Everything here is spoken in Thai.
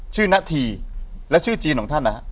นาธีและชื่อจีนของท่านนะฮะ